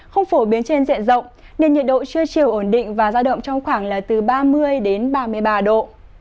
không phổ biến trên dẹn rộng nên nhiệt độ chưa chiều ổn định và ra động trong khoảng là từ ba mươi đến ba mươi độ